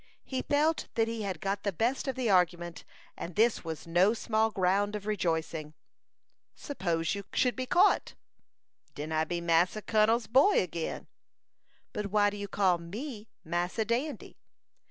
He felt that he had got the best of the argument, and this was no small ground of rejoicing. "Suppose you should be caught?" "Den I be Massa Kun'l's boy again." "But why did you call me Massa Dandy?"